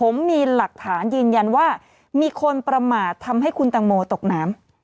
ผมมีหลักฐานยืนยันว่ามีคนประมาททำให้คุณตังโมตกน้ำ